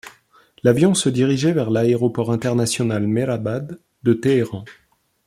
L'avion se dirigeait vers l'Aéroport international Mehrabad de Téhéran.